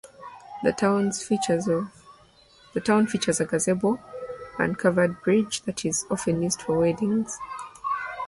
The town features a gazebo and covered bridge that is often used for weddings.